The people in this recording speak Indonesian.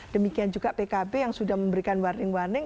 demikian juga pkb yang sudah memberikan warning warning